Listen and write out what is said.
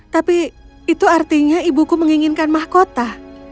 tapi itu artinya ibuku menginginkan mahkota